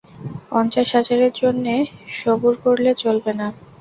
পঞ্চাশ হাজারের জন্যে সবুর করলে চলবে না।